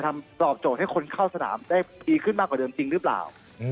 ตอบโจทย์ให้คนเข้าสนามได้ดีขึ้นมากกว่าเดิมจริงหรือเปล่า